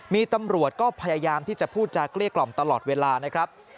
มีตำรวจก็พยายามที่จะพูดจากเกลี้ยกล่อมตลอดเวลานะครับ